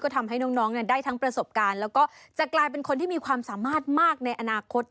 ทำให้น้องได้ทั้งประสบการณ์แล้วก็จะกลายเป็นคนที่มีความสามารถมากในอนาคต